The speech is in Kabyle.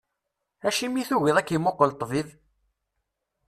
Acimi i tugiḍ ad k-imuqel ṭṭbib?